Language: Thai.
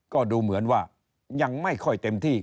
ก็ดูเหมือนว่ายังไม่ค่อยเต็มที่